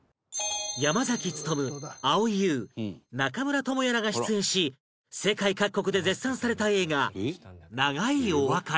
山努蒼井優中村倫也らが出演し世界各国で絶賛された映画『長いお別れ』